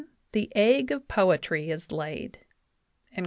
the egg of poetry is laid."